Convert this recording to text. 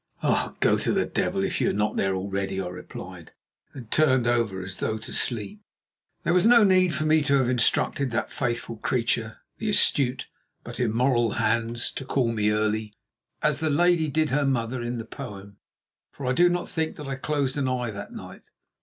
"Oh! go to the devil if you are not there already," I replied, and turned over as though to sleep. There was no need for me to have instructed that faithful creature, the astute but immoral Hans, to call me early, as the lady did her mother in the poem, for I do not think that I closed an eye that night.